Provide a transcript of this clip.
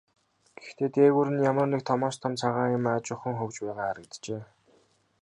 Гэхдээ дээгүүр нь ямар нэг томоос том цагаан юм аажуухан хөвж байгаа харагджээ.